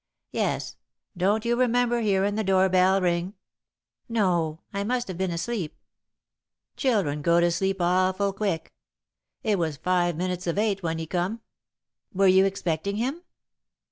"Yes. Don't you remember hearin' the door bell ring?" "No I must have been asleep." "Children go to sleep awful quick. It was five minutes of eight when he come." "Were you expecting him?"